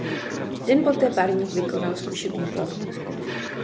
Den poté parník vykonal zkušební plavbu.